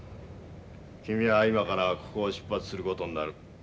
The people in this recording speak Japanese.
君は今からここを出発する事になる。